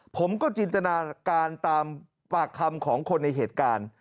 ผมก็จินตนาการตามปากคำของคนในเหตุการณ์